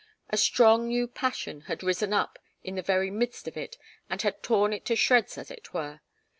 A strong new passion had risen up in the very midst of it and had torn it to shreds, as it were.